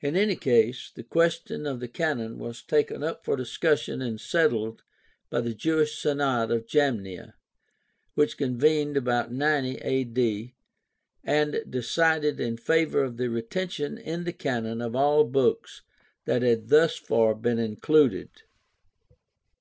In any case, the question of the Canon was taken up for discussion and settled by the Jewish Synod of Jamnia, which convened about 90 a.d., and decided in favor of the retention in the Canon of all books that had thus far been included.